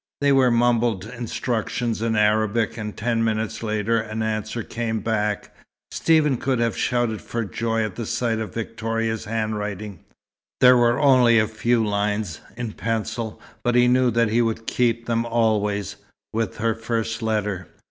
There were mumbled instructions in Arabic, and ten minutes later an answer came back. Stephen could have shouted for joy at sight of Victoria's handwriting. There were only a few lines, in pencil, but he knew that he would keep them always, with her first letter.